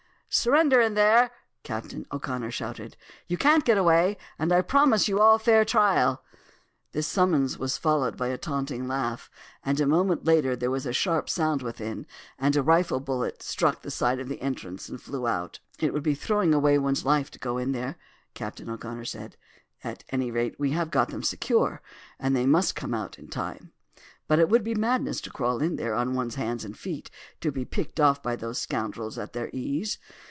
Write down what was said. "Surrender in there!" Captain O'Connor shouted. "You can't get away; and I promise you all a fair trial." His summons was followed by a taunting laugh; and a moment later there was a sharp sound within, and a rifle bullet struck the side of the entrance and flew out. "It would be throwing away one's life to go in there," Captain O'Connor said. "At any rate we have got them secure, and they must come out in time. But it would be madness to crawl in there on one's hands and feet to be picked off by those scoundrels at their ease.